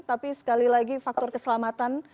tapi sekali lagi faktor keselamatan